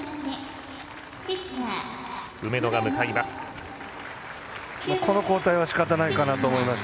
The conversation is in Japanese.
梅野が向かいます。